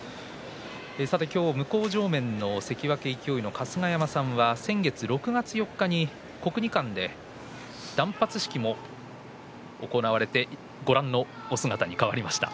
今日、向正面の元関脇勢の春日山さんは先月６月４日に国技館で断髪式を行われてご覧の姿になりました。